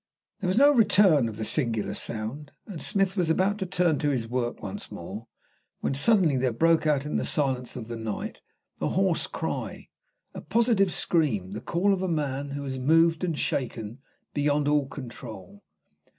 There was no return of the singular sound, and Smith was about to turn to his work once more, when suddenly there broke out in the silence of the night a hoarse cry, a positive scream the call of a man who is moved and shaken beyond all control.